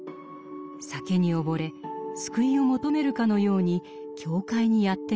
酒に溺れ救いを求めるかのように教会にやって来たのです。